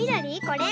これ？